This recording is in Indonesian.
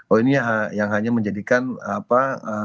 oh ini yang hanya menjadikan apa